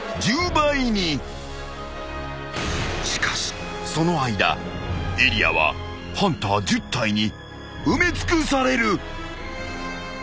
［しかしその間エリアはハンター１０体に埋め尽くされる］